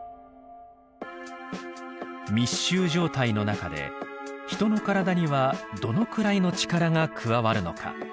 密集状態の中で人の体にはどのくらいの力が加わるのか。